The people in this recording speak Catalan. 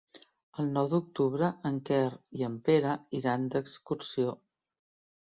El nou d'octubre en Quer i en Pere iran d'excursió.